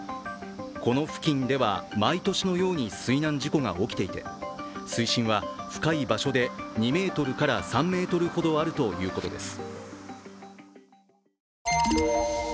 この付近では毎年のように水難事故が起きていて、水深は深い場所で２ｍから３ｍほどあるということです。